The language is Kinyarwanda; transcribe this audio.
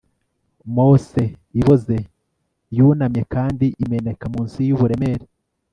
Mose iboze yunamye kandi imeneka munsi yuburemere